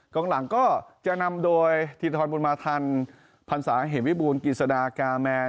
กลางหลังก็จะนำโดยธีรธรรมบุญมาธรรมพรรษาเหตุวิบูรณ์กิจศาสตร์กาแมน